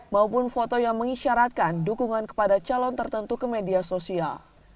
maupun foto yang mengisyaratkan dukungan kepada calon tertentu ke media sosial